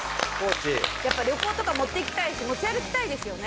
旅行とか持っていきたいし持ち歩きたいですよね。